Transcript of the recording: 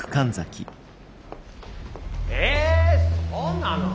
・えっそうなの？